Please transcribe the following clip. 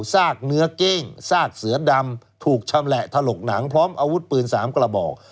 ซากเนื้อเก้งซากเสือดำถูกชำแหละถลกหนังพร้อมอาวุธปืน๓กระบอก